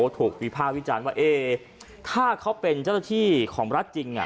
ถูกวิภาควิจารณ์ว่าถ้าเขาเป็นเจ้าหน้าที่ของรัฐจริง